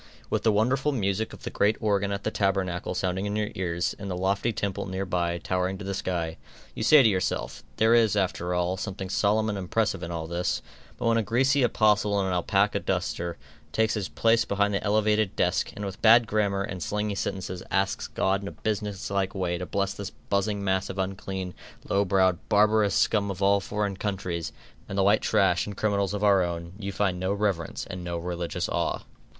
With the wonderful music of the great organ at the tabernacle sounding in your ears, and the lofty temple near by towering to the sky, you say to yourself, there is, after all, something solemn and impressive in all this; but when a greasy apostle in an alapaca duster, takes his place behind the elevated desk, and with bad grammar and slangy sentences, asks God in a businesslike way to bless this buzzing mass of unclean, low browed, barbarous scum of all foreign countries, and the white trash and criminals of our own, you find no reverence, and no religious awe.